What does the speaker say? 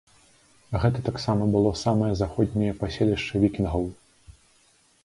Гэта таксама было самае заходняе паселішча вікінгаў.